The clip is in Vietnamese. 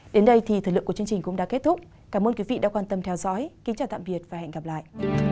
đến đây thì thời lượng của chương trình cũng đã kết thúc cảm ơn quý vị đã quan tâm theo dõi kính chào tạm biệt và hẹn gặp lại